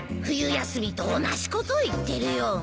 冬休みと同じこと言ってるよ